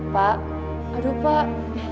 pak aduh pak